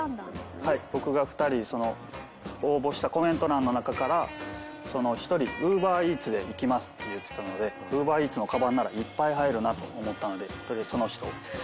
僕が２人応募したコメント欄の中から１人ＵｂｅｒＥａｔｓで行きますって言ってたのでＵｂｅｒＥａｔｓのかばんならいっぱい入るなと思ったのでとりあえずその人を。